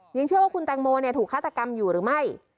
ยังเชื่อว่าคุณแตงโมถูกฆาตกรรมอยู่หรือไม่